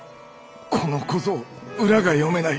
この小僧「裏」が読めない！